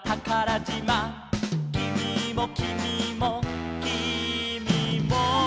「きみもきみもきみも」